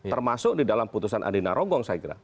termasuk di dalam putusan adina rogong saya kira